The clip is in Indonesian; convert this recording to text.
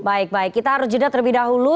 baik baik kita harus jeda terlebih dahulu